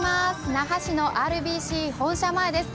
那覇市のＲＢＣ本社前です。